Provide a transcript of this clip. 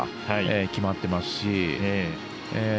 決まってますし。